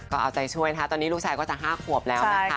ก็เอาใจช่วยนะคะตอนนี้ลูกชายก็จะ๕ขวบแล้วนะคะ